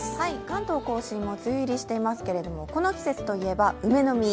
関東甲信も梅雨入りしていますけど、この季節といえば、梅の実。